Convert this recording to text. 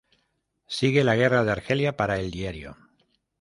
Sigue la guerra de Argelia para el diario.